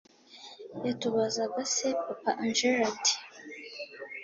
yatubazaga se papa angella ati